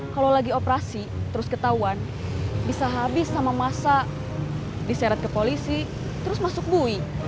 kalau lagi operasi terus ketahuan bisa habis sama masa diseret ke polisi terus masuk bui